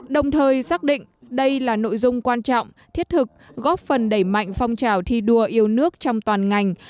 đồng thời xác định đây là nội dung quan trọng thiết thực góp phần đẩy mạnh phong trào thi đua yêu nước trong toàn ngành